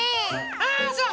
あそう？